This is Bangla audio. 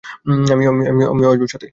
আমিও আসবো সাথে।